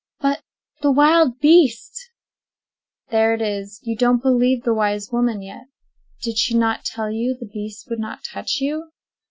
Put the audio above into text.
"But the wild beasts!" "There it is! You don't believe the wise woman yet! Did she not tell you the beasts would not touch you?"